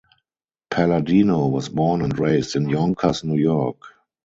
Palladino was born and raised in Yonkers, New York.